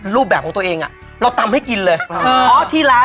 ลูกค้าประหลาดอย่างพวกเรา